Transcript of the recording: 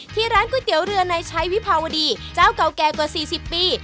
ที่ร้านก๋วยเตี๋ยวเรือในใช้วิภาวดีเจ้าเก่าแก่กว่า๔๐ปี